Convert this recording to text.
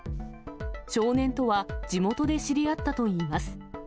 少年とは地元で知り合ったといいます。